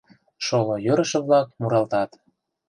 Шоло йӧрышӧ-влак муралтат.